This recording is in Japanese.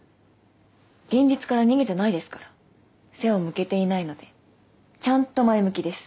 現実から逃げてないですから背を向けていないのでちゃんと前向きです